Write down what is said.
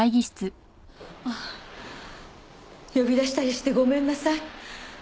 呼び出したりしてごめんなさい。